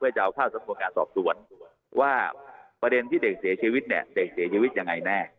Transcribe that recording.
จะเอาเข้าสำนวนการสอบสวนว่าประเด็นที่เด็กเสียชีวิตเนี่ยเด็กเสียชีวิตยังไงแน่